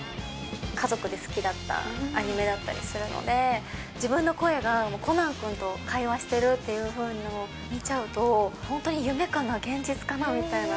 家族で好きだったアニメだったりするので、自分の声がコナンくんと会話してるっていうふうなのを見ちゃうと、本当に夢かな、現実かなみたいな。